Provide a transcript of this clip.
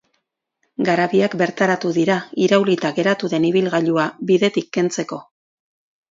Garabiak bertaratu dira iraulita geratu den ibilgailua bidetik kentzeko.